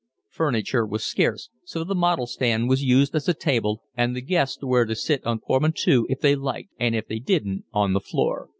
Furniture was scarce, so the model stand was used as a table, and the guests were to sit on portmanteaux if they liked, and if they didn't on the floor.